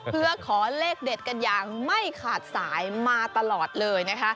เพื่อขอเลขเด็ดกันอย่างไม่ขาดสายมาตลอดเลยนะคะ